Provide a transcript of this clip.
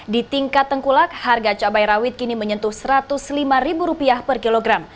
di tingkat tengkulak harga cabai rawit kini menyentuh rp satu ratus lima per kilogram